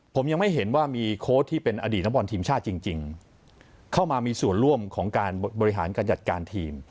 ผมยังไม่เห็นว่ามีโค้ดที่เป็นอดีตนักบอลทีมชาติจริงเข้ามามีส่วนร่วมของการบริหารการจัดการทีม